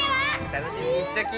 楽しみにしちょき！